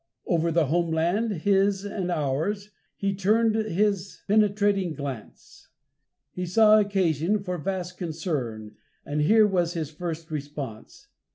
Over the home land, his and ours, he turned his penetrating glance. He saw occasion for vast concern, and here was his first response.